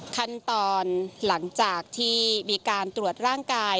ขั้นตอนหลังจากที่มีการตรวจร่างกาย